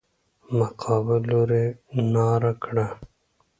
مقابل لوري ناره کړه.